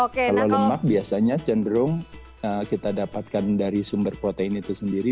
kalau lemak biasanya cenderung kita dapatkan dari sumber protein itu sendiri